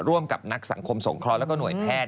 ร่วมกับนักสังคมสงครรภ์และหน่วยแพทย์